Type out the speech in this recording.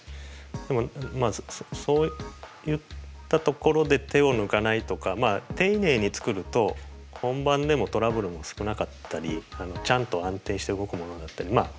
でもそういったところで手を抜かないとかまあ丁寧に作ると本番でもトラブルも少なかったりちゃんと安定して動くものだったりクオリティの高いものになるので